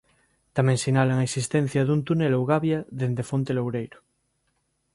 Tamén sinalan a existencia dun túnel ou gabia dende Fonte Loureiro.